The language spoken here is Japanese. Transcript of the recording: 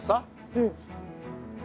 うん。